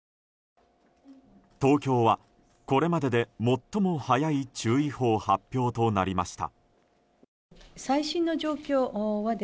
東京は、これまでで最も早い注意報発表となりました。